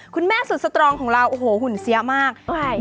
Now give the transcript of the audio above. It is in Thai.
คุณแม่สุดสตรองของเราโอ้โหหุ่นเสียมาก